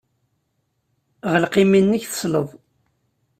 Ɣleq imi-nnek, tesleḍ.